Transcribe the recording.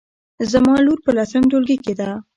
زما لور په لسم ټولګي کې ده